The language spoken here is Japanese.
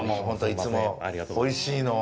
いつもおいしいの。